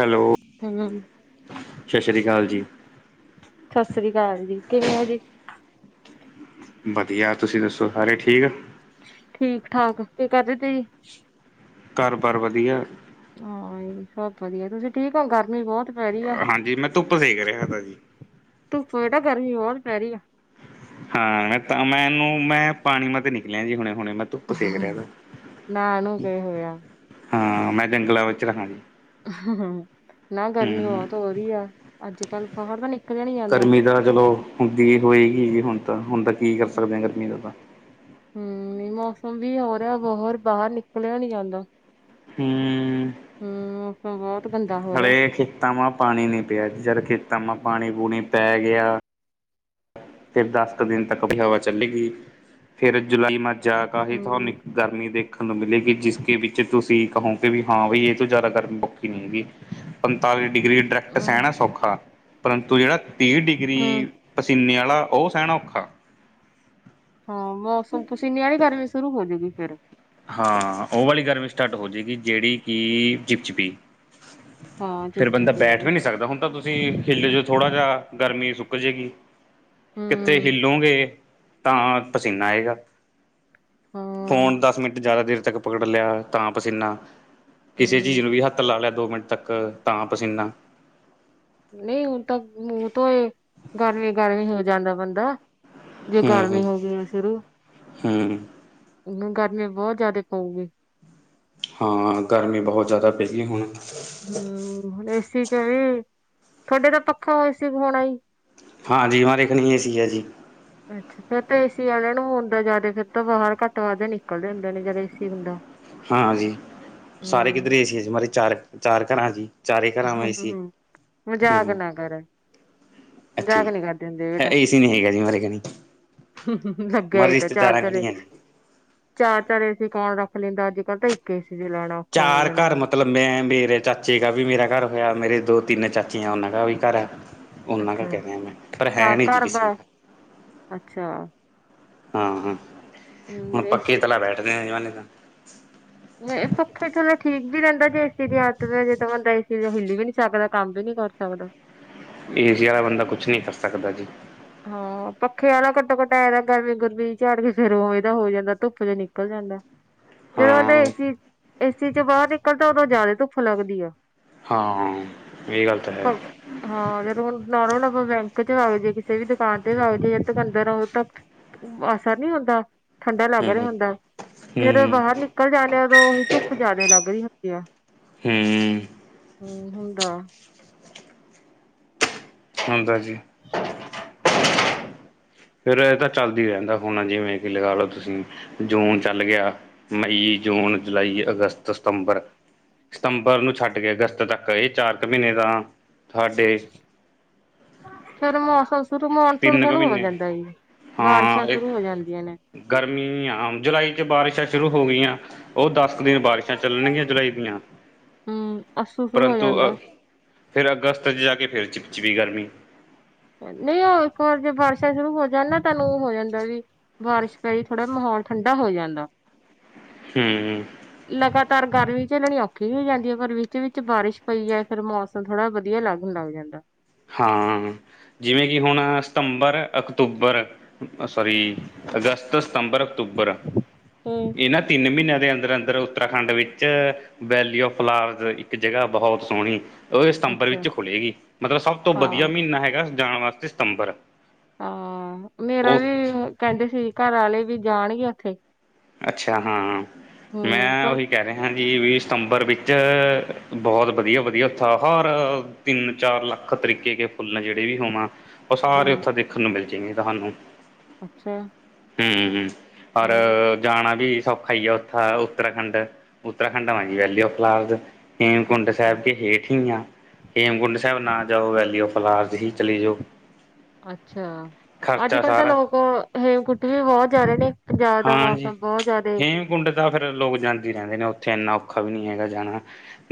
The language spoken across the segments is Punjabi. ਹੈਲੋ। ਹਮ ਸਤਿ ਸ਼੍ਰੀ ਅਕਾਲ ਜੀ। ਸਤਿ ਸ੍ਰੀ ਅਕਾਲ ਜੀ, ਕਿਵੇਂ ਹੋ ਜੀ। ਵਧੀਆ ਤੁਸੀਂ ਦੱਸੋ ਸਾਰੇ ਠੀਕ। ਠੀਕ ਠਾਕ ਕੀ ਕਰਦੇ ਤੇ ਜੀ ਘਰ ਬਾਰ ਵਧੀਆ ਹਾਂ ਸਭ ਵਧੀਆ ਤੁਸੀਂ ਠੀਕ ਹੋ ਗਰਮੀ ਬਹੁਤ ਪੈ ਰਹੀ ਆ ਹਾਂਜੀ ਮੈਂ ਧੁੱਪ ਸੇਕ ਰਿਹਾ ਤਾ ਜੀ। ਧੁੱਪ ਜੜਾ ਗਰਮੀ ਬਹੁਤ ਪੈ ਰਹੀ ਆ ਹਾਂ ਮੈਂ ਤਾਂ ਮੈਂਨੂੰ ਮੈਂ ਪਾਣੀ ਮ ਤੇ ਨਿਕਲਿਆ ਜੀ ਹੁਣੇ ਹੁਣੇ ਮ ਧੁੱਪ ਸੇਕ ਰਿਹਾ ਨਾ ਨੂੰ ਗਏ ਹੋਇਆ ਹਾਂ ਮੈਂ ਜੰਗਲਾਂ ਵਿੱਚ ਰਹਾ ਜ ਹਮ ਨਾ ਗਰਮੀ ਬਹੁਤ ਹੋ ਰਹੀ ਆ ਅੱਜ ਕੱਲ ਬਾਹਰ ਤਾਂ ਨਿਕਲਿਆ ਨਹੀਂ ਜਾਂਦਾ। ਗਰਮੀ ਚਲੋ ਹੁੰਦੀ ਹੋਏਗੀ ਜੀ ਹੁਣ ਤਾਂ ਹੁਣ ਤਾਂ ਕੀ ਕਰ ਹਮ ਸਕਦੇ ਹ ਗਰਮੀ ਦਾ ਤਾਂ ਹਮ ਨਹੀਂ ਮੌਸਮ ਵੀ ਹੋ ਰਿਹਾ ਬਰ ਬਾਹਰ ਨਿਕਲਿਆ ਨੀ ਜਾਂਦਾ। ਹਮ, [unintelligible] ਬਹੁਤ ਗੰਦਾ ਹੋ ਰਿਹਾ ਹਰੇ ਖੇਤਾਂ ਮਾ ਪਾਣੀ ਨੀ ਪਿਆ ਜਾਰ ਖੇਤਾਂ ਮਾ ਪਾਣੀ ਪੂਣੀ ਪੈ ਗਿਆ। ਫਿਰ ਦਸ ਕੁ ਦਿਨ ਤੱਕ ਹਵਾ ਚੱਲੇਗੀ ਫੇਰ ਜੁਲਾਈ ਮਾਝਾ ਕਹੀ ਤੁਹਾਨੂੰ ਹਮ ਗਰਮੀ ਦੇਖਣ ਨੂੰ ਮਿਲੇਗੀ ਜਿਸਕੇ ਵਿੱਚ ਤੁਸੀਂ ਕਹੋਗੇ ਵੀ ਹਾਂ ਬਈ ਇਹ ਤੋਂ ਜ਼ਿਆਦਾ ਗਰਮੀ ਪਖੀ ਨਹੀਂ ਹੈਗੀ। ਪੰਤਾਲੀ ਡਿਗਰੀ ਡਾਇਰੈਕਟ ਹਮ ਸਹਿਣਾ ਸੌਖਾ ਪਰੰਤੂ ਜਿਹੜਾ ਤੀਹ ਹਮ ਡਿਗਰੀ ਪਸੀਨੇ ਵਾਲਾ ਉਹ ਸਹਿਣਾ ਔਖਾ। ਹਾਂ ਮਸੀਨੀ ਆਲੇ ਕਰਨ ਸ਼ੁਰੂ ਹੋਜਗੀ ਫੇਰ। ਹਾਂ ਉਹ ਵਾਲੀ ਗਰਮੀ ਸਟਾਰਟ ਹੋ ਜਾਵੇਗੀ ਜਿਹੜੀ ਕਿ ਚਿਪਚਿਪੀ ਹਾਂ ਫੇਿਰ ਬੰਦਾ ਚਿਪਚਿਪੀ ਬੈਠ ਵਾਲੀ ਵੀ ਨਹੀਂੀ ਸਕਦਾ ਹੁੰਦਾ। ਤਾਂ ਤੁਸੀਂ ਹਿੱਲ ਜਾ ਥੋੜਾ ਜਾਿਹਾ ਗਰਮੀ ਸੁੱਕ ਜਾੇਗੀ ਕਿੱਥੇ ਹਮ ਹਿੱਲੋਗੇ ਤਾਂ ਪਸੀਨਾ ਆਏਗਾ ਹਾਂ ਫੋਣ ਦਸ ਮਿੰਟ ਜ਼ਿਆਦਾ ਦੇਰ ਤੱਕ ਪਕੜ ਲਿਆ ਤਾਂ ਪਸੀਨਾ ਕਿਸੇ ਚੀਜ਼ ਹਮ ਨੂੰ ਵੀ ਹੱਥ ਲਾ ਲਿਆ ਦੋ ਮਿੰਟ ਤੱਕ। ਤਾਂ ਪਸੀਨਾ ਨਹੀਂ ਹੁਣ ਤਾਂ ਮੂੰਹ ਤੋਂ ਇਹ ਗਰਮੀ ਗਰਮੀ ਹੋ ਜਾਂਦਾ ਬੰਦਾ। ਜੇ ਗਰਮੀ ਹੋ ਗਈ ਆ ਸ਼ੁਰੂ ਹਮ, ਹਣ ਗਰਮੀ ਬਹੁਤ ਜਿਆਦਾ ਪਊਗੀ। ਹਾਂ ਗਰਮੀ ਬਹੁਤ ਜ਼ਿਆਦਾ ਪਹੀ ਹੁਣ ਹਮ ਏਸੀ ਕਿ ਵੀ ਤੁਹਾਡੇ ਤਾਂ ਪੱਖਾ ਹੋ ਏ ਸੀ ਹੋਣਾ ਹਾਂਜੀ ਹਮਾਰੇ ਘਰ ਏ ਸੀ ਹੈ ਜੀ [unintelligible] ਫੇਿਰ ਤਾਂ ਏਸੀ ਵਾਲਿਆਂ ਨੂੰ ਹੁੰਦਾ ਜਿਆਦਾ ਫਰ ਤਾਂ ਬਾਹਰ ਘੱਟ ਵੱਧਦੇ ਨਿਕਲਦੇ ਹੁੰਦੇ ਨੇ ਜਦ ਏਸੀ ਹੁੰਦਾ ਹਾਂਜੀੀ ਸਾਰੇ ਹਮ ਕਿੱਧਰੇ ਏ ਸੀਮਾਰੇ ਚਾਰ ਚਾਰ ਘਰਾਂ ਜੀ ਹਮ ਹ ਹਮ ਮਜ਼ਾਕ ਨਾ ਕਰੇ ਮਝਾਕ ਨਹੀਂੀ ਕਰਦੇ ਹਿੰਦੇ ਬੇਟਾ ਲੱਗਿਆ ਤਾਂ ਚਾਰ ਚਾਰੇ ਚਾਰ ਚਾਰ ਏਸੀ ਕੌਣ ਰੱਖ ਲੈਂਦਾ ਅੱਜ ਕੱਲ੍ਹ ਤਾਂ ਇੱਕ ਏ ਸੀ ਚ ਲੈਣਾ ਚਾਰ ਘਰਮ ਮਤਲਬ ਮੈ ਮੇਰੇ ਚਾਚੇ ਕਾ ਵੀ ਮੇਰਾ ਘਰ ਹੋਇਆ ਮੇਰੇ ਦੋ ਤਿੰਨ ਚਾਚੀਆਂ ਆ ਉਹਨਾਂ ਦਾ ਵੀ ਘਰ ਹੈ। ਉਹਨਾਂ ਦਾ ਅੱਛਾ ਕਹਿ ਰਿ ਮੈਂ ਪਰ ਹੈ ਘਰ ਨਹੀਂ ਜੀ ਘਰ ਕਿਸੇ ਦਾ ਅੱਛਾ ਹਾਂ ਹਾਂ ਹਮ ਹੁਣ ਇਸ ਪੱਖੇ ਤਲਾ ਬੈਠਦੇ ਆ ਏਵਾਨੇ ਤਾਂ ਇਹ ਪੱਖੇ ਥੱਲਲਾ ਠੀਕ ਵੀ ਰਹਿੰਦਾੇ ਏੇ ਦੀ ਹੱਤ ਪ ਜੇ ਤਾਂ ਬੰਦਾ ਏ ਦੀ ਹਲੀ ਵੀ ਨ ਬੰਦਾ ਕੰਮ ਵੀ ਨੀ ਕਰ ਸਕਦਾ। ਏ ਸੀ ਵਾਲਾ ਬੰਦਾ ਕੁਛ ਨੀ ਕਰ ਸਕਦਾ ਜੀ ਹਾਂ ਪੱਖੇ ਵਾਲਾ ਕੱਟੋ ਕੱਟ ਆਏਦਾ ਗਰਮੀ ਗੁਰਮੀ ਝਾੜ ਕੇ ਫੇਿਰ ਉਵੇਦਾ ਹੋ ਜਾਂਦਾ ਧੁੱਪ ਚ ਨਿਕਲ ਜਾਂਦਾ। ਜਦੋਂ ਬੰਦਾ ਹਾਂ ਏਸੀ ਏਸੀ ਚ ਬਾਹਰ ਨਿਕਲਦਾ ਉਦੋਂ ਜ਼ਿਆਦਾ ਧੁੱਪ ਲੱਗਦੀ ਆ। ਹਾਂ ਇਹ ਗੱਲ ਤਾਂ ਹੈ ਹਾਂ ਜਦ ਹੁਣ ਨਰ ਹੁਣ ਆਪਾਂ ਬੈਂਕ ਚ ਵਗ ਜਏ ਕਿਸੇ ਵੀ ਦੁਕਾਨ ਤੇ ਜਾਵੇ ਤੇ ਬੰਦੇ ਨੂੰ ਅਸਰ ਨਹੀਂ ਹੁੰਦਾ। ਠੰਡਾ ਲੱਗ ਰਿਹਾ ਹਮ ਹੁੰਦਾ ਜਦੋਂ ਹਮ ਬਾਹਰ ਨਿਕਲ ਜਾਂਦੇ ਉਦੋਂ ਧੁੱਪ ਜਿਆਦਾ ਲੱਗ ਰਹੀ ਹੁੰਦੀ। ਹੂੰ ਹਮ ਹੁੰਦਾ ਹੁੰਦਾ ਜੀ। [inaudible] ਫਿਰ ਇਹ ਤਾਂ ਚੱਲਦਾ ਰਹਿੰਦਾ ਹੁਣ ਜਿਵੇਂ ਕਿ ਲਗਾ ਲਓ ਤੁਸੀਂ ਜੂਨ ਚੱਲ ਗਿਆ। ਮਈ, ਜੂਨ, ਜੁਲਾਈ, ਅਗਸਤ, ਸਤੰਬਰ। ਸਤੰਬਰ ਨੂੰ ਛੱਡ ਕੇ ਅਗਸਤ ਤੱਕ ਇਹ ਚਾਰ ਕੁ ਮਹੀਨੇ ਦਾ ਥਾਡੇ ਫਿਰ ਮੌਸਮ ਸ਼ੁਰੂ ਮਨਸੂਨ ਤਿੰਨ ਕੁ ਸ਼ੁਰੂ ਹੋ ਮਹੀਨੇ ਜਾਂਦਾ ਜੀ ਹਾਂ ਬਾਰਿਸ਼ਾਂ ਇਹ ਸ਼ੁਰੂ ਹੋ ਜਾਂਦੀਆਂ ਨੇ। ਗਰਮੀ ਆ ਜੁਲਾਈ 'ਚ ਬਾਰਿਸ਼ਾਂ ਸ਼ੁਰੂ ਹੋ ਗਈਆਂ। ਉਹ ਦਸ ਕੁ ਦਿਨ ਬਾਰਿਸ਼ਾਂ ਚੱਲਣਗੀਆਂ ਜੁਲਾਈ ਦੀਆਂ। ਹੂੰ ਅੱਸੂ ਸ਼ੁਰੂ ਹੋ ਪਰੰਤੂ ਅ ਜਾਂਦਾ। ਫਿਰ ਅਗਸਤ ਚ ਜਾ ਕੇ ਫਿਰ ਚਿਪ ਚਿਪੀ ਗਰਮੀ। ਨਹੀਂ ਉਹ ਇੱਕ ਵਾਰ ਜੇ ਬਾਰਸ਼ਾਂ ਸ਼ੁਰੂ ਹੋ ਜਾਣ ਨਾ ਤਹਾਨੂੰ ਉਹ ਹੋ ਜਾਂਦਾ ਜੀ ਬਾਰਿਸ਼ ਪਈ ਥੋੜ੍ਹਾ ਮਾਹੌਲ ਠੰਢਾ ਹੋ ਜਾਂਦਾ। ਹੂੰ। ਲਗਾਤਾਰ ਗਰਮੀ ਝੱਲਣੀ ਔਖੀ ਹੋ ਜਾਂਦੀ ਹੈ ਪਰ ਵਿੱਚ ਵਿੱਚ ਬਾਰਿਸ਼ ਪਈ ਹੈ ਫਿਰ ਮੌਸਮ ਥੋੜਾ ਵਧੀਆ ਲੱਗਣ ਲੱਗ ਜਾਂਦਾ। ਹਾਂ ਜਿਵੇਂ ਕਿ ਹੁਣ ਸਤੰਬਰ, ਅਕਤੂਬਰ ਆ ਸੋਰੀ ਅਗਸਤ, ਸਤੰਬਰ, ਅਕਤੂਬਰ ਹੂੰ। ਇਹ ਨਾ ਤਿੰਨ ਮਹੀਨਿਆਂ ਦੇ ਅੰਦਰ ਅੰਦਰ ਉੱਤਰਾਖੰਡ ਵਿੱਚ ਵੈਲੀ ਆਫ ਫਲਾਰ ਇੱਕ ਜਗ੍ਹਾ ਬਹੁਤ ਸੋਹਣੀ ਉਹ ਸਤੰਬਰ ਅੱਛਾ ਵਿੱਚ ਖੁੱਲੇਗੀ ਮਤਲਬ ਸਭ ਤੋਂ ਵਧੀਆ ਹਾਂ। ਮਹੀਨਾ ਹੈਗਾ ਜਾਣ ਵਾਸਤੇ ਸਤੰਬਰ ਹਾਂ ਮੇਰਾ ਵੀ ਉਹ ਕਹਿੰਦੇ ਸੀ ਘਰ ਆਲੇ ਵੀ ਜਾਣਗੇ ਉੱਥੇ ਅੱਛਾ ਹਾਂ ਹੂੰ ਮੈਂ ਪਰ ਉਹੀ ਕਹਿ ਰਿਹਾ ਜੀ ਵੀ ਸਤੰਬਰ ਵਿੱਚ ਬਹੁਤ ਵਧੀਆ ਵਧੀਆ ਉਥੇ ਹਰ ਤਿੰਨ ਚਾਰ ਲੱਖ ਤਰੀਕੇ ਕੇ ਫੁੱਲ ਜਿਹੜੇ ਵੀ ਹੋਵਾਂ ਉਹ ਹੂੰ ਸਾਰੇ ਉੱਥੇ ਦੇਖਣ ਨੂੰ ਮਿਲ ਜਾਣਗੇ ਤੁਹਾਨੂੰ। ਅੱਛਾ। ਹੂੰ-ਹੂੰ ਪਰ ਹੂੰ ਜਾਣਾ ਵੀ ਸੌਖਾ ਈ ਆ ਉੱਥਾ ਉੱਤਰਾਖੰਡ। ਉੱਤਰਾਖੰਡ ਵਾਂ ਜੀ ਵੈਲੀ ਔਫ ਫਲੋਵਰ। ਹੇਮਕੁੰਡ ਅੱਛਾ ਸਾਹਿਬ ਕੇ ਹੇਠ ਹੀ ਆ ਹੇਮਕੁੰਡ ਸਾਹਿਬ ਨਾ ਜਾਓ ਵੈਲੀ ਓਫ ਫਲਾਰਜ ਹੀ ਚਲੇ ਜਾਓ। ਅੱਛਾ ਅੱਜ ਖਰਚਾ ਕਲ ਤਾਂ ਸਾਰਾ ਲੋਕ ਹੇਮਕੁੰਟ ਵੀ ਬਹੁਤ ਜਾ ਰਹੇ ਨੇ। ਪੰਜਾਬ ਦਾ ਹਾਂਜੀ ਮੌਸਮ ਬਹੁਤ ਜ਼ਿਆਦੇ ਹੇਮਕੁੰਡ ਤਾਂ ਫਿਰ ਲੋਕ ਜਾਂਦੀ ਰਹਿੰਦੇ ਨੇ ਉੱਥੇ ਇੰਨਾ ਔਖਾ ਵੀ ਨਹੀਂ ਹੈਗਾ ਜਾਣਾ।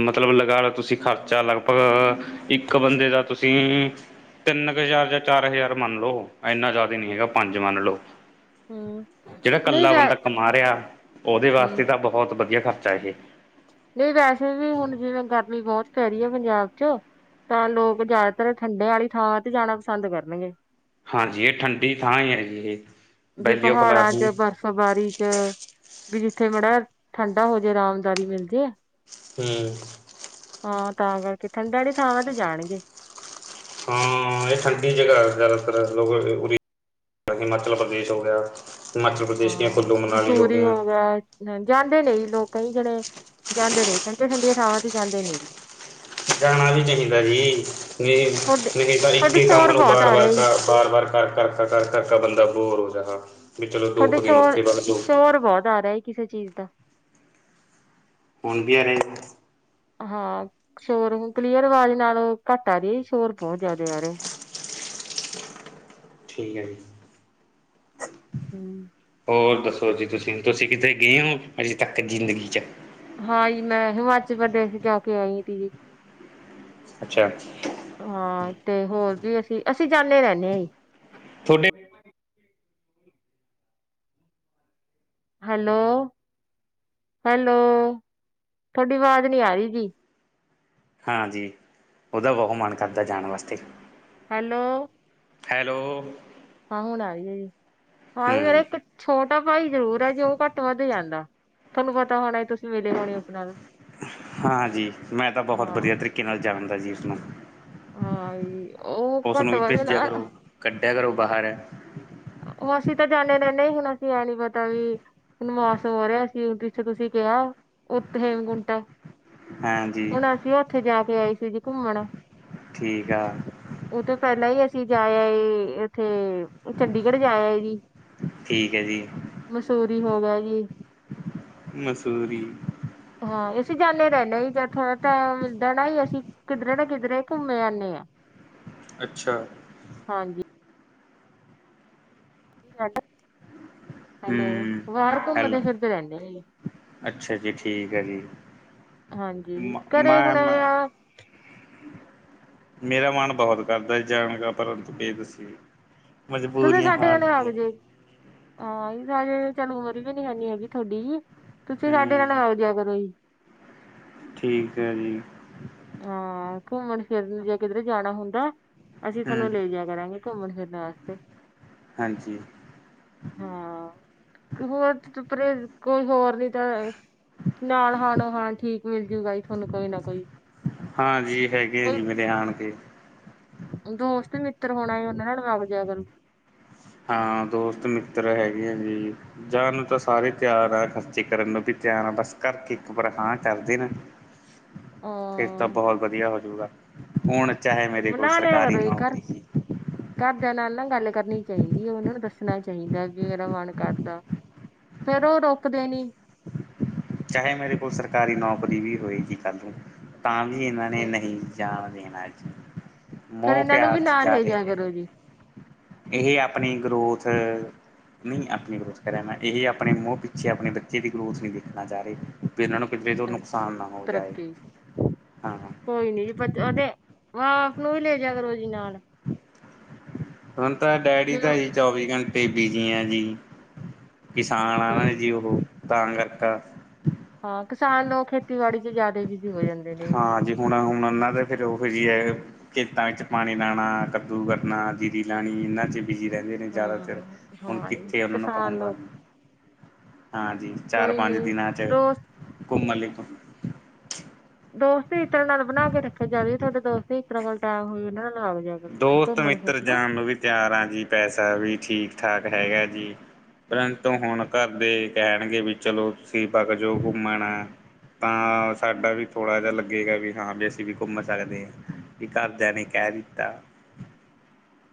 ਮਤਲਬ ਲਗਾ ਲੋ ਤੁਸੀਂ ਖ਼ਰਚਾ ਲਗਭਗ ਇੱਕ ਬੰਦੇ ਦਾ ਤੁਸੀਂ ਤੁਸੀਂ ਤਿੰਨ ਕੁ ਹਜ਼ਾਰ ਜਾਂ ਚਾਰ ਹਜ਼ਾਰ ਮੰਨ ਲੋ ਇੰਨਾ ਜ਼ਿਆਦਾ ਨਹੀਂ ਹੈਗਾ ਪੰਜ ਮੰਨ ਲੋ। ਹੂੰ। ਜਿਹੜਾ ਇਕੱਲਾ ਬੰਦਾ ਕਮਾ ਰਿਹਾ, ਉਹਦੇ ਹਮ ਵਾਸਤੇ ਤਾਂ ਬਹੁਤ ਵਧੀਆ ਖਰਚਾ ਇਹ ਨਹੀਂ ਵੈਸੇ ਵੀ ਹੁਣ ਜਿਵੇਂ ਗਰਮੀ ਬਹੁਤ ਪੈ ਰਹੀ ਹੈ ਪੰਜਾਬ ਚ ਤਾਂ ਲੋਕ ਜ਼ਿਆਦਾਤਰ ਠੰਡੇ ਵਾਲੀ ਥਾਂ ਤੇ ਜਾਣਾ ਪਸੰਦ ਕਰਨਗੇ' ਹਾਂਜੀ ਇਹ ਠੰਡੀ ਥਾਂ ਹੀ ਹੈਗੀ ਇਹ ਵੀ ਵੈਲੀ ਆਫ ਪਹਾੜਾਂ ਚ ਲਾਰਜੀ ਬਰਫ ਸਵਾਰੀ ਚ ਵੀ ਜਿੱਥੇ ਮਾੜਾ ਠੰਡਾ ਹੋ ਜਾੇ ਆਰਾਮਦਾਰੀ ਮਿਲ ਜੇ। ਹੂੰ ਹਾਂ ਤਾਂ ਕਰਕੇ ਠੰਡੇ ਵਾਲੀ ਥਾਵਾਂ ਤੇ ਜਾਣਗੇ। ਹਾਂ ਇਹ ਠੰਡੀ ਜਗ੍ਹਾ ਜ਼ਿਆਦਾਤਰ ਲੋਕ ਉ ਹਿਮਾਚਲ ਪ੍ਰਦੇਸ਼ ਹੋ ਗਿਆ। ਹਿਮਾਚਲ ਪ੍ਰਦੇਸ਼ ਦੀਆਂ ਹਾਂ ਕੁੱਲੂ ਮਨਾਲੀ ਹੋ ਮਸੂਰੀ ਗਿਆ। ਗਿਆ ਜਾਂਦੇ ਨੇ ਲੋਕ ਕਈ ਜਣੇ ਜਾਂਦੇ ਨੇ ਠੰਡੀਆਂ ਠੰਡੀਆਂ ਥਾਵਾਂ ਤੇ ਜਾਂਦੇ ਨੇ ਜੀ। ਜਾਣਾ ਵੀ ਚਾਹੀਦਾ ਜੀ ਵੀ ਤੁਹਾਡੇ ਨਹੀਂ ਤਾਂ ਇੱਕ ਤੁਹਾਡੇ ਕੰਮ ਸ਼ੋਰ ਨੂੰ ਬਹੁਤ ਆ ਵਾਰ-ਵਾਰ ਰਿਹਾ ਜੀ ਕਰ ਬਾਰ-ਬਾਰ ਕਰ-ਕਰ-ਕਰ ਕਰਕਾ ਬੰਦਾ ਬੋਰ ਹੋ ਜਾਂਦਾ ਤੁਹਾਡੇ ਸ਼ੋਰ-ਸ਼ੋਰ ਬਹੁਤ ਆ ਰਿਹਾ ਹੈ ਕਿਸੇ ਚੀਜ਼ ਦਾ ਫੋਨ ਵੀ ਹੈ ਰਹੇ ਹਾਂ ਸ਼ੋਰ ਹੁ ਕਲੀਅਰ ਆਵਾਜ ਨਾਲ ਘੱਟ ਆ ਰਹੀ ਸ਼ੋਰ ਬਹੁਤ ਜ਼ਿਆਦਾ ਆ ਰਹੇ ਠੀਕ ਹੈ ਜੀ ਹਮ ਹੋਰ ਦੱਸੋ ਤੇ ਜੀ ਤੁਸੀਂ, ਤੁਸੀਂ ਕਿਤੇ ਗਏ ਹੋ ਅਜੇ ਤੱਕ ਜ਼ਿੰਦਗੀ 'ਚ? ਹਾਂਜੀ, ਮੈਂ ਹਿਮਾਚਲ ਪ੍ਰਦੇਸ਼ ਜਾ ਕੇ ਆਈ ਤੀ ਜੀ ਅੱਛਾ ਹਾਂ ਤੇ ਹੋਰ ਵੀ ਅਸੀਂ-ਅਸੀਂ ਜਾਂਦੇ ਰਹਿੰਦੇ ਹਾਂ ਜੀ ਤੁਹਾਡੇ ਹੈਲੋ-ਹੈਲੋ ਤੁਹਾਡੀ ਆਵਾਜ਼ ਨੀ ਆ ਰਹੀ ਜੀ ਹਾਂਜੀ ਉਹਦਾ ਬਹੁਤ ਮਨ ਕਰਦਾ ਜਾਣ ਵਾਸਤੇ ਹੈਲੋ? ਹੈਲੋ? ਹਾਂ ਹੁਣ ਆਈ ਆ ਜੀ, ਹਾਂ ਮੇਰੇ ਹੂੰ ਇੱਕ ਛੋਟਾ ਭਾਈ ਜ਼ਰੂਰ ਹੈ ਜੇ ਉਹ ਘੱਟ ਵੱਧ ਜਾਂਦਾ, ਤੁਹਾਨੂੰ ਪਤਾ ਹੋਣਾ ਤੁਸੀਂ ਮਿਲੇ ਹੋਣੇ ਉਸ ਨਾਲ ਹਾਂਜੀ, ਮੈਂ ਤਾਂ ਬਹੁਤ ਹਾਂ ਵਧੀਆ ਤਰੀਕੇ ਨਾਲ ਜਾਣਦਾ ਜੀ ਉਸਨੂੰ ਹਾਂ ਜੀ, ਉਹ ਉਸਨੂੰ ਘੱਟ ਵੀ ਵਜਨ ਭੇਜਿਆ ਅ- ਕਰੋ, ਕੱਢਿਆ ਕਰੋ ਬਾਹਰ ਉਹ ਅਸੀਂ ਤਾਂ ਜਾਂਦੇ ਰਹਿੰਦੇ ਹੀ ਸੀ ਅਸੀਂ ਐਂ ਨੀ ਪਤਾ ਵੀ ਹਨਮਾਸ ਹੋ ਰਿਹਾ ਸੀ ਜਿੱਥੇ ਤੁਸੀਂ ਕਿਹਾ ਉੱਥ ਹੇਮਕੁੰਟ ਹ ਹਾਂਜੀ ਉੱਥੇ ਜਾ ਕੇ ਆਈ ਸੀ ਜੀ ਘੁੰਮਣ ਠੀਕ ਆ ਉਹ ਤੋਂ ਪਹਿਲਾਂ ਹੀ ਅਸੀਂ ਜਾਇਆ ਉੱਥੇ ਚੰਡੀਗੜ੍ਹ ਜਾ ਆਏ ਸੀ। ਠੀਕ ਹੈ ਜੀ ਮਸੂਰੀ ਹੋ ਗਿਆ ਜੀ ਮੰਸੂਰੀ ਹਾਂ ਅਸੀਂ ਜਾਂਦੇ ਰਹਿੰਦੇ ਹ ਹੀ ਜਾਂ ਥੋੜ੍ਹਾ ਤਾਂ ਟਾਈਮ ਮਿਲਦਾ ਹੀ ਅਸੀਂ ਕਿੱਧਰੇ ਨਾ ਕਿੱਧਰੇ ਘੁੰਮੇ ਆਉਂਦੇ ਆ ਅੱਛਾ ਹਾਂਜੀ ਕੀ ਲਡ [unintelligible] ਹੈਲੋ ਹੂੰ ਬਾਹਰ ਹੈਲੋ ਘੁੰਮਦੇ ਫਿਰਦੇ ਰਹਿੰਦੇ ਅੱਛਾ ਜੀ ਠੀਕ ਹੈ ਜੀ ਹਾਂਜੀ, ਮ- ਘਰੇ ਮੈਂ ਹੁਣੇ ਮ- ਆ ਮੇਰਾ ਮਨ ਬਹੁਤ ਕਰਦਾ ਜਾਣਗਾ ਪਰ ਬੇ ਦਸੀ ਤੁਸੀਂ ਸਾਡੇ ਕਣੇ ਆਗ ਜੇ ਆ ਤਾਂਜੇ ਚਲ ਉਮਰ ਵੀ ਨੀ ਹੈਨੀ ਹੈਗੀ ਤੁਹਾਡੀ ਤੁਸੀਂ ਸਾਡੇ ਨਾਲ ਹੂੰ ਮਓ ਜਿਆ ਕਰੋ ਹੀ ਠੀਕ ਹੈ ਜੀ, ਹਾਂ ਘੁੰਮਣ ਫਿਰਨ ਜੇ ਕਿਧਰ ਜਾਣਾ ਹੁੰਦਾ ਅਸੀਂ ਤੁਹਾਨੂੰ ਹੂੰ ਲੈ ਜਾ। ਕਰਾਂਗੇ, ਘੁੰਮਣ ਫਿਰਨ ਵਾਸਤੇ ਹਾਂਜੀ ਹਾਂ। ਹੋਰ ਪਰੇ ਕੋਈ ਹੋਰ ਨੀ, ਤਾਂ ਨਾਲ ਹਾਂਣੋ ਹਾਂਣ ਠੀਕ, ਮਿਲ ਜੂਗਾ ਤੁਹਾਨੂੰ ਕੋਈ ਨਾ ਕੋਈ ਹਾਂਜੀ ਹੈਗੇ ਆ ਜੀ ਕੋਈ ਮੇਰੇ ਆਣ ਕੇ ਦੋਸਤ ਮਿੱਤਰ ਹੋਣਾ ਉਹਨਾਂ ਨਾਲ ਬਗਜੀਆ ਕਰੋ ਹਾਂ ਦੋਸਤ ਮਿੱਤਰ ਹੈਗੇ ਆ ਜੀ ਜਾਣ ਨੂੰ ਤਾਂ ਸਾਰੇ ਤਿਆਰ ਆ, ਖਰਚੇ ਕਰਨ ਨੂੰ ਵੀ ਤਿਆਰ ਆ ਬਸ ਕਰਕੇ ਇੱਕ ਵਾਰ ਹਾਂ ਕਰਦੇ ਨ [inaudible] [inaudible] ਫਿਰ ਤਾਂ ਹਾਂ ਬਹੁਤ ਵਧੀਆ ਹੋਜੂਗਾ ਹੁਣ ਚਾਹੇ ਮੇਰੇ ਕੋਲ ਮਨਾ ਲਿਆ ਸਰਕਾਰੀ ਕਰੋ ਜੀ ਘਰ ਨੌਕਰੀ ਘਰਦਿਆਂ ਨਾਲ ਨਾ ਗੱਲ ਕਰਨੀ ਚਾਹੀਦੀ ਹੈ ਉਹਨਾਂ ਨੂੰ ਦੱਸਣਾ ਚਾਹੀਦਾ ਵੀ ਮੇਰਾ ਮਨ ਕਰਦਾ ਫੇਰ ਉਹ ਰੋਕਦੇ ਨੀ ਚਾਹੇ ਮੇਰੇ ਕੋਲ ਸਰਕਾਰੀ ਨੌਕਰੀ ਵੀ ਹੋਏਗੀ ਕੱਲ ਨੂੰ ਤਾਂ ਵੀ ਇਹਨਾਂ ਨੇ ਨਹੀਂ ਜਣ ਦੇਣ ਅੱਜ ਫੇਰ ਮੋਹ ਇਹਨਾਂ ਨੂੰ ਪਿਆਰ ਵੀ ਚ ਨਾਲ ਲੈ ਜਾਦੇ, ਜਾਇਆ ਕਰੋ ਜੀ ਇਹ ਆਪਣੀ ਗਰੋਥ, ਨਹੀਂ ਆਪਣੀ ਗਰੋਥ ਕਰੇ, ਮੈਂ ਇਹ ਆਪਣੇ ਮਹ ਪਿੱਛੇ ਆਪਣੇ ਬੱਚੇ ਦੀ ਗਰੋਥ ਨਹੀਂ। [unintelligible] ਵੀ ਇਹਨਾਂ ਨੂੰ ਕਿਧਰੇ ਤੋਂ ਅੱਛਾ ਨੁਕਸਾਨ ਨਾ ਹੋ ਜਾਏ ਤਰੱਕੀ ਹਾਂ। ਕੋਈ ਨੀ ਜੀ ਉਹਦੇ, ਆਪ ਨੂੰ ਵੀ ਲੈਜਿਆ ਨਾਲ ਹੁਣ ਤਾਂ ਡੈਡੀ ਜ ਤਾਂ ਜੀ ਚੌਵੀ ਘੰਟੇ ਬਿਜ਼ੀ ਆ ਜੀ ਕਿਸਾਨ ਆ, ਕੋਈ ਨਾ ਨੀ। ਜੀ ਉਹ ਤਾਂ ਕਰਤਾ। ਹਾਂ ਕਿਸਾਨ ਖੇਤੀਬਾੜੀ ਚ ਜ਼ਿਆਦਾ ਬਿਜ਼ੀ ਹੋ ਜਾਂਦੇ। ਹਾਂ ਜੀ, ਹੁਣ-ਹੁਣ ਉਹਨਾਂ ਦਾ ਫੇਰ ਉਹੋ ਜਹੀ ਹੈ। ਖੇਤਾਂ ਵਿੱਚ ਪਾਣੀ ਲਾਣਾ ਕੱਦੂ ਕਰਨਾ, ਜੀਰੀ ਲਾਉਣੀ ਇਹਨਾਂ ਚ ਬਿਜੀ ਰਹਿੰਦੇ। ਜ਼ਿਆਦਾਤਰ ਹਾਂ ਹੁਣ, ਹਾਂ ਜੀ ਕਿੱਥੇ ਉਹਨਾਂ ਨੂੰ ਕਿਸਾਨ ਕਹੂੰਗਾ। ਲੋਕ ਹਾਂਜੀ, ਚਾਰ ਕੋਈ ਪੰਜ ਨੀ ਦਿਨਾਂ ਚ ਦੋਸਤ ਘੁੰਮਣ ਲਈ, ਦੋਸਤ ਹੀ ਇਤਰਾਂ ਨਾਲ ਬਣਾ ਕੇ ਰੱਖਿਆ ਜਾਵੇ, ਤੁਹਾਡੇ ਦੋਸਤੀ ਇਤਰਾਂ ਵੱਲ ਟਾਇਮ ਹੋਈ ਉਹਨਾਂ ਨਾਲ ਲੱਗ ਜਾਵੇ। ਦੋਸਤ ਮਿੱਤਰ ਜਾਣ ਨੂੰ ਵੀ ਤਿਆਰ ਆ ਜੀ, ਪੈਸਾ ਵੀ ਠੀਕ ਠਾਕ ਹੈਗਾ ਜੀ। ਪਰੰਤੂ ਹੁਣ ਘਰਦੇ ਕਹਿਣਗੇ, ਵੀ ਚਲੋ ਤੁਸੀਂ ਬਗ ਜਾਓ ਘੁੰਮਣ ਤਾਂ ਸਾਡਾ ਵੀ ਥੋੜ੍ਹਾ ਜਿਹਾ ਲੱਗੇਗਾ, ਵੀ ਹਾਂ ਵੀ ਅਸੀਂ ਵੀ ਘੁੰਮ ਸਕਦੇ ਹਾਂ। ਵੀ ਘਰਦਿਆਂ ਨੇ ਕਹਿ ਦਿੱਤਾ।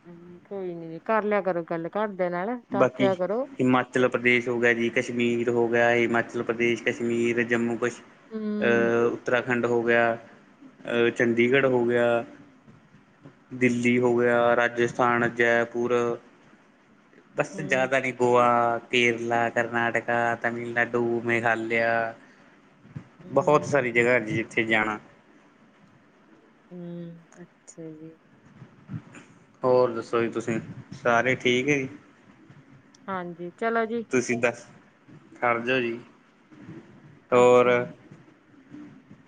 ਹੂੰ, ਕੋਈ ਨੀ ਜੀ ਕਰ ਲਿਆ ਕਰੋ ਗੱਲ ਘਰ ਦੇ ਨਾਲ ਦੱਸ ਬਾਕੀ ਦਿਆ ਕਰੋ ਹਿਮਾਚਲ, ਉਚਲ ਪ੍ਰਦੇਸ਼ ਹੋ ਗਿਆ ਜੀ, ਕਸ਼ਮੀਰ ਹੋ ਗਿਆ, ਹਿਮਾਚਲ ਪ੍ਰਦੇਸ਼ ਕਸ਼ਮੀਰ ਜੰਮੂ ਕਸ਼ ਹੂੰ ਅਹ ਉੱਤਰਾ ਖੰਡ ਹੋ ਗਿਆ, ਅਹ ਚੰਡੀਗੜ੍ਹ ਹੋ ਗਿਆ। ਦਿੱਲੀ ਹੋ ਗਿਆ, ਰਾਜਸਥਾਨ ਜੈਪੁਰ ਬਸ ਹੂੰ ਜ਼ਿਆਦਾ ਨੀ ਗੋਆ। ਕੇਰਲਾ, ਕਰਨਾਟਕਾ, ਤਾਮਿਲਨਾਡੂ, ਮੇਘਾਲਿਆ। ਬਹੁਤ ਹੂੰ ਸਾਰੀ ਜਗ੍ਹਾ ਨੇ ਜਿੱਥੇ ਜਾਣਾ। ਹੂੰ, ਅੱਛਾ ਜੀ। ਹੋਰ ਦੱਸੋ ਜੀ, ਤੁਸੀਂ ਸਾਰੇ ਠੀਕ ਹੈ ਜੀ। ਹਾਂਜੀ ਚਲੋ ਜੀ, ਤੁਸੀਂ ਤਾਂ ਖੜ ਜੋ ਜੀ। ਹੋਰ ਅੱਛਾ।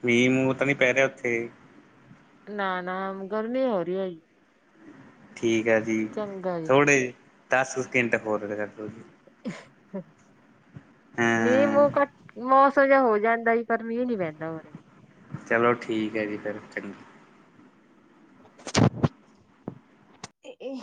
ਮੀਂਹ ਮੂਹ ਤਾਂ ਨੀ ਪੈ ਰਿਹਾ ਹੈ, ਉੱਥੇ? ਨਾ-ਨਾ ਗਰਮੀ ਹੋ ਰਹੀ ਆ। ਠੀਕ ਹੈ, ਜੀ ਚੰਗਾ ਜੀ ਥੋੜੇ ਦਸ ਸਕਿੰਟ ਹੋਰ ਰਿਹਾ ਕਰੋ ਜੀ। ਮੀਂਹ ਹਾਂ ਮੂਹ ਘੱਟ ਮੌਸਮ। ਮੌਸਮ ਜਾ ਹੋ ਜਾਂਦਾ ਜੀ, ਪਰ ਮੀਂਹ ਨੀ ਪੈਂਦਾ ਉਰੇ। ਤੇ ਚਲੋ ਠੀਕ ਹੈ, ਜੀ ਫਿਰ ਚੰਗੀ। ਇਹ।